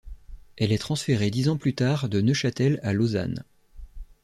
Elle est transférée dix ans plus tard de Neuchâtel à Lausanne.